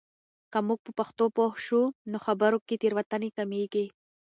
که موږ په پښتو پوه شو، نو خبرو کې تېروتنې کمېږي.